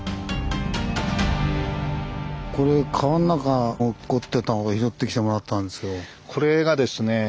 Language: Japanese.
これ川の中落っこってたのを拾ってきてもらったんですけど。